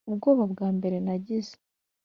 ubwoba bwa mbere nagize